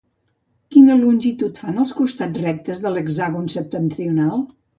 Quina longitud fan els costats rectes de l'hexàgon septentrional?